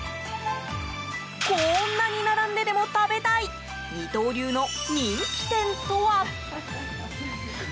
こんなに並んででも食べたい二刀流の人気店とは？